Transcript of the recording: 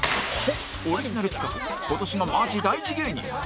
オリジナル企画今年がマジ大事芸人